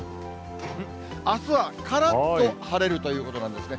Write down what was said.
あすはからっと晴れるということなんですね。